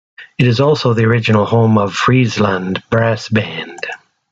It is also the original home of Friezland Brass Band.